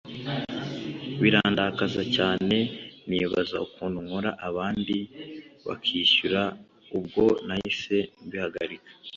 birandakaza cyane nibaza ukuntu nkora abandi bakishyuza ubwo nahise mbihagarika